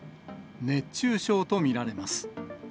熱中症と見られます。